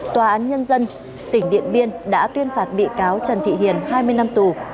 tòa án nhân dân tỉnh điện biên đã tuyên phạt bị cáo trần thị hiền hai mươi năm tù